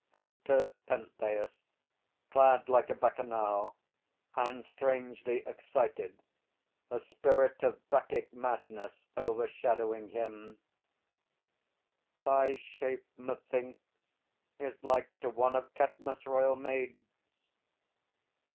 [Enter PENTHEUS, clad like a Bacchanal, and strangely excited, a spirit of Bacchic madness overshadowing him. Thy shape, methinks, is like to one Of Cadmus' royal maids!